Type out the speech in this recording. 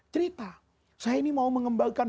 cerita saya ini mau mengembangkan